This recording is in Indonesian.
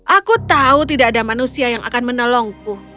aku tahu tidak ada manusia yang akan menolongku